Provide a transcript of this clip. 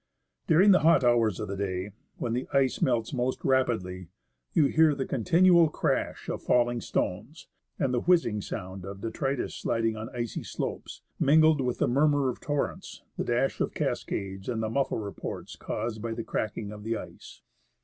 During the hot hours of the day, when the ice melts most rapidly, you hear the continual crash of falling stones, and the whizzing sound of detritus sliding on icy slopes, mingled with the murmur of torrents, the dash of cascades, and the muffled reports caused by the cracking of the ice.